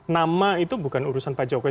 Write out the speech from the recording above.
nama itu bukan urusan pak jokowi